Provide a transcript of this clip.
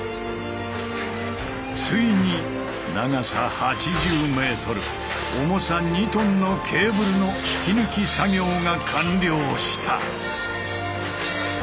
ついに長さ８０ｍ重さ２ｔのケーブルの引き抜き作業が完了した。